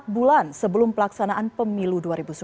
empat bulan sebelum pelaksanaan pemilu dua ribu sembilan belas